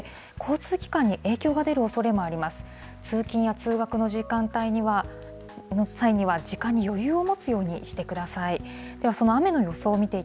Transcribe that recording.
通勤や通学の時間帯の際には、時間に余裕を持つようにしてください。